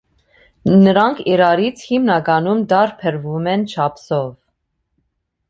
Նրանք իրարից հիմնականում տարբերվում են չափսով։